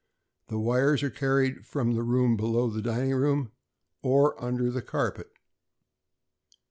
The wires are carried from the room below the dining room, or under the carpet.